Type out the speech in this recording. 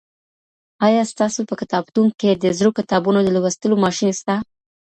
آیا ستاسو په کتابتون کي د زړو کتابونو د لوستلو ماشین سته؟